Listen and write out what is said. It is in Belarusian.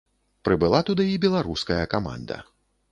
Прыбыла туды і беларуская каманда.